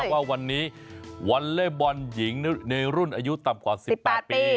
ว่าวันนี้วอลเล่บอลหญิงในรุ่นอายุต่ำกว่า๑๘ปี